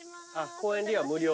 公園利用は無料。